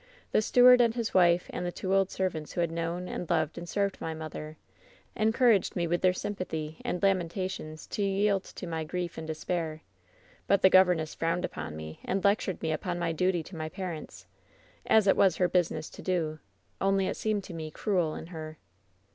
The steward and his wife and the two old servants who had known and loved and served my mother, encouraged me with their sympathy and lamentations to yield to my grief and despair ; but the governess frowned upon me and lectured me upon my duty to my parents, as it wa» her business to do — only it seemed to me cruel in her.